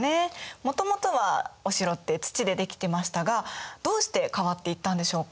もともとはお城って土で出来てましたがどうして変わっていったんでしょうか？